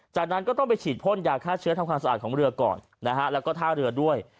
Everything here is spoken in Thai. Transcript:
จากนั้นก็ต้องไปฉีดพ่นยาฆ่าเชื้อทำความสะอาดของเรือก่อนนะฮะแล้วก็ท่าเรือด้วย